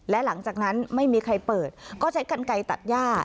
และหลังจากนั้นไม่มีใครเปิดก็ใช้กันไกลตัดย่า